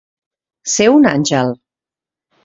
Ser un àngel.